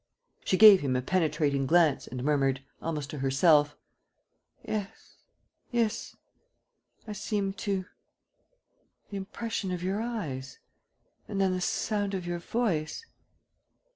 She gave him a penetrating glance and murmured, almost to herself: "Yes, yes. ... I seem to ... The expression of your eyes ... and then the sound of your voice.